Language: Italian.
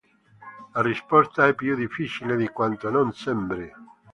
La risposta è più difficile di quanto non sembri.